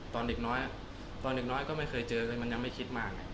ตอนเด็กน้อยก็ไม่เคยเจอเลยมันยังไม่คิดมาก